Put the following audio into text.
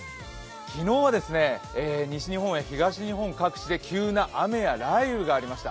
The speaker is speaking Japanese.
昨日は西日本や東日本各地で急な雨や雷雨がありました。